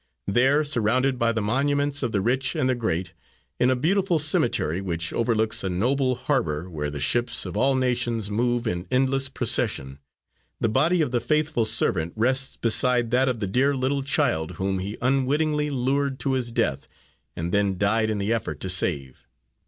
There, surrounded by the monuments of the rich and the great, in a beautiful cemetery, which overlooks a noble harbour where the ships of all nations move in endless procession, the body of the faithful servant rests beside that of the dear little child whom he unwittingly lured to his death and then died in the effort to save.